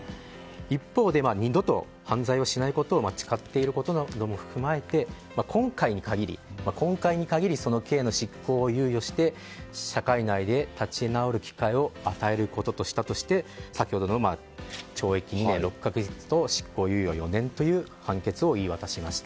一方で二度と犯罪をしないことを誓っていることなども踏まえて今回に限りその刑の執行を猶予して社会内で立ち直る機会を与えることとしたとして先ほどの懲役２年６か月と執行猶予４年という判決を言い渡しました。